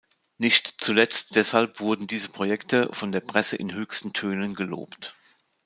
Nicht zuletzt deshalb wurden diese Projekte von der Presse in höchsten Tönen gelobt.